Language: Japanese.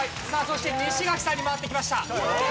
さあそして西垣さんに回ってきました。